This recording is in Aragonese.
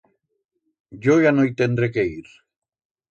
Yo ya no i tendré que ir.